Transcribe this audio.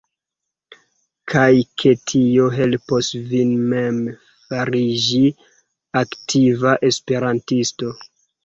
Kaj ke tio helpos vin mem fariĝi aktiva esperantisto.